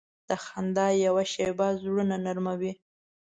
د خندا یوه شیبه زړونه نرمه وي.